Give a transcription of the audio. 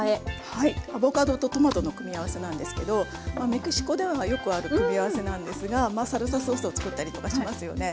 はいアボカドとトマトの組み合わせなんですけどメキシコではよくある組み合わせなんですがサルサソースを作ったりとかしますよね。